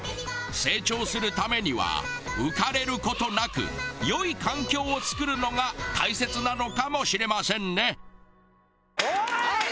成長するためには浮かれる事なく良い環境を作るのが大切なのかもしれませんね。